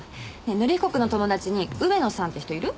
則彦くんの友達に上野さんって人いる？